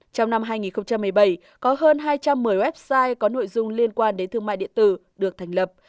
trong năm hai nghìn một mươi bảy có hơn hai trăm một mươi website có nội dung liên quan đến thương mại điện tử được thành lập